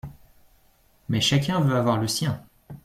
Mais chacun veut avoir le sien.